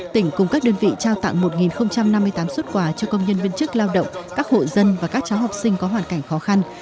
tỉnh cùng các đơn vị trao tặng một năm mươi tám xuất quà cho công nhân viên chức lao động các hộ dân và các cháu học sinh có hoàn cảnh khó khăn